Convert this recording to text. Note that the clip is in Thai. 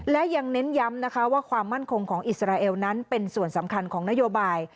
และยังเน้นย้ำนะคะว่าความมั่นคงของอิสราเอลนั้นเป็นส่วนสำคัญของนโยบาย